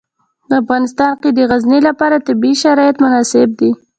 په افغانستان کې د غزني لپاره طبیعي شرایط مناسب دي.